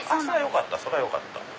そりゃよかった。